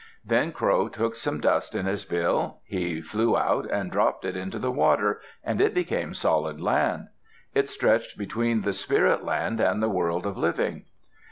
Then Crow took some dust in his bill. He flew out and dropped it into the water, and it became solid land. It stretched between the spirit land and the world of living.